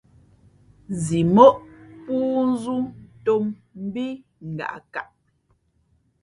Zimóʼ pōōnzʉ̌ ntōm mbí ngaʼkaʼ.